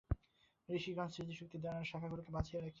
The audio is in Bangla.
ঋষিগণ স্মৃতিশক্তির সাহায্যে শাখাগুলিকে বাঁচাইয়া রাখিয়াছেন।